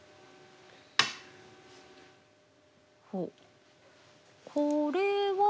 おっこれは。